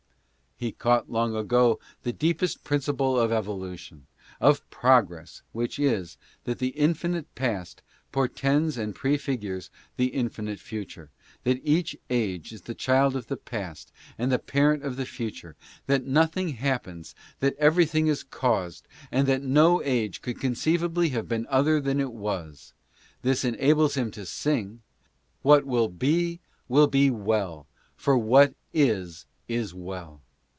He caught long ago the deepest principle of evolution, of progress, which is, that the infinite past portends and prefigures the infinite future; that each age is the child of the past and the parent of the future; that nothing happens, that everything is caused ; and that no age could conceivably have been other than it was. This enables him to sing :" What will be will be well, for what is is well.